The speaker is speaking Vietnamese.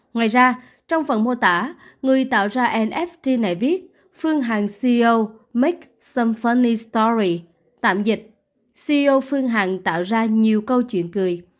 ngoài ra trong phần mô tả người tạo ra nft này viết phương hằng ceo make some funny story tạm dịch ceo phương hằng tạo ra nhiều câu chuyện cười